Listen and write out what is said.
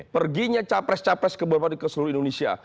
perginya capres capres kebanyakan di seluruh indonesia